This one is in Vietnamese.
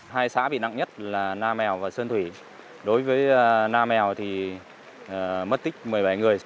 hai xã bị nặng nhất là nam mèo và sơn thủy đối với nam mèo thì mất tích một mươi bảy người